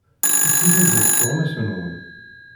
Ssiridet tuɣmas-nwen.